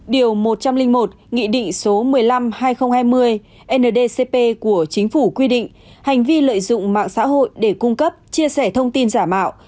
điều một trăm linh một nghị định số một mươi năm hai nghìn hai mươi ndcp của chính phủ quy định hành vi lợi dụng mạng xã hội để cung cấp chia sẻ thông tin giả mạo